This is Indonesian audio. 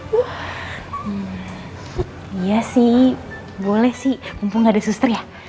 wah iya sih boleh sih mumpung ada suster ya